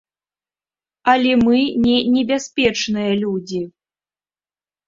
Але мы не небяспечныя людзі.